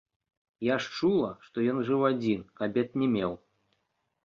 Я ж чула, што ён жыў адзін, кабет не меў.